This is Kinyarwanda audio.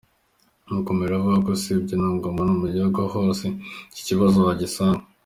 Yakomeje avuga ko usibye na Ngoma no mu gihugu hose iki kibazo wagisanga.